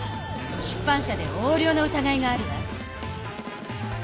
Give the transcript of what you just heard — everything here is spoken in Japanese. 出版社で横領のうたがいがあるわ。